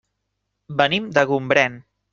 Venim de Gombrèn.